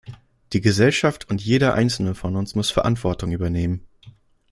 Die Gesellschaft und jeder Einzelne von uns muss Verantwortung übernehmen.